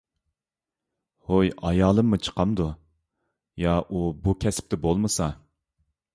ھوي، ئايالىممۇ چىقامدۇ؟ يا ئۇ بۇ كەسىپتە بولمىسا.